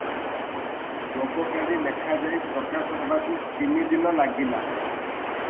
ରୋବକାରୀ ଲେଖାଯାଇ ପ୍ରକାଶ ହେବାକୁ ତିନିଦିନ ଲାଗିଲା ।